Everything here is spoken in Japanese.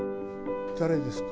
誰ですか？